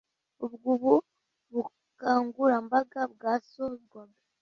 Ubwo ubu bukangurambaga bwasozwaga,